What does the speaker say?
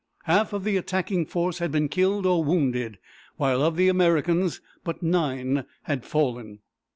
Half of the attacking force had been killed or wounded, while of the Americans but nine had fallen.